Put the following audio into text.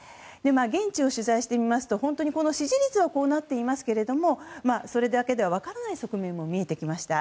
現地を取材してみますと支持率はこうなっていますけれどもそれだけでは分からない側面も見えてきました。